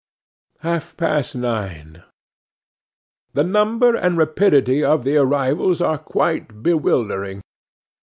'Half past nine. 'THE number and rapidity of the arrivals are quite bewildering.